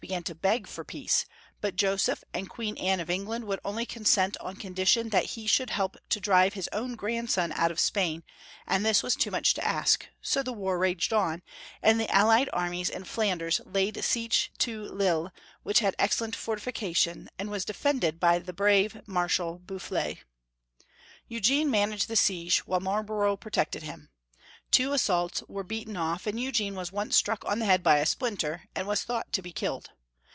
began to beg for peace, but Joseph and Queen Anne of England would only consent on condition that he should help to drive his own grandson out of Spain, and this was too much to ask, so the war raged on, and the allied armies in Flanders laid seige to Lille, which had excellent fortifications, and was defend Joseph L 381 ed by the brave Marshal BoufBers. Eugene man aged the siege, while Marlborough protected him. Two assaults were beaten off, and Eugene was once struck on the head by a splinter, and was thought to be killed.